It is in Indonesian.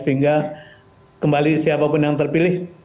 sehingga kembali siapapun yang terpilih